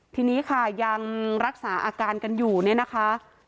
ทีนี้ค่ะยังรักษาอาการกันอยู่เนี่ยนะคะ